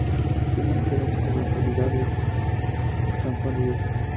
Tiene injerencia sobre la localidad de San Juan de Dios.